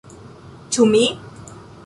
Ĉu mi?!